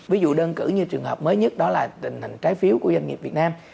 ví dụ đơn cử như trường hợp mới nhất đó là tình hình trái phiếu của doanh nghiệp việt nam